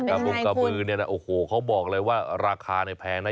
บงกระบือเนี่ยนะโอ้โหเขาบอกเลยว่าราคาเนี่ยแพงนะ